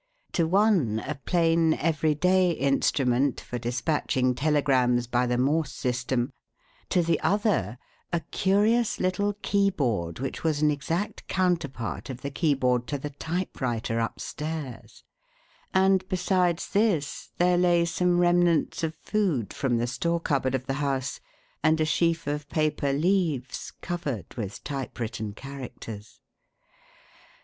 To one, a plain, everyday instrument for dispatching telegrams by the Morse system; to the other, a curious little keyboard which was an exact counterpart of the keyboard to the typewriter upstairs; and besides this there lay some remnants of food from the store cupboard of the house, and a sheaf of paper leaves covered with typewritten characters.